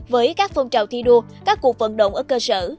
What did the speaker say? với các phong trào thi đua các cuộc vận động ở cơ sở